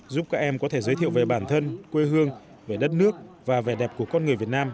giúp các em có thể giới thiệu về bản thân quê hương về đất nước và vẻ đẹp của con người việt nam